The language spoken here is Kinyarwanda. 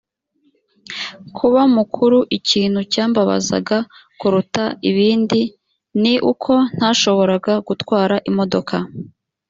kuba mukuru ikintu cyambabazaga kuruta ibindi ni uko ntashoboraga gutwara imodoka